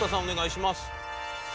お願いします。